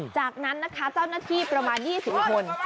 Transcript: จากนั้นนะคะเจ้าหน้าที่ประมาณ๒๐คน